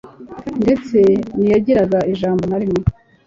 ndetse niyagira ijambo narimwe